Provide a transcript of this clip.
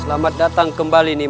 selamat datang kembali nimas